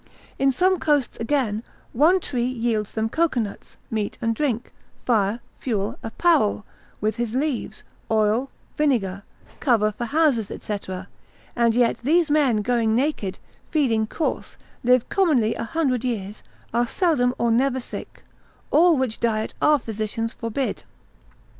In some coasts, again, one tree yields them cocoanuts, meat and drink, fire, fuel, apparel; with his leaves, oil, vinegar, cover for houses, &c., and yet these men going naked, feeding coarse, live commonly a hundred years, are seldom or never sick; all which diet our physicians forbid.